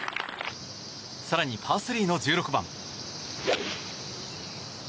更にパー３の１６番。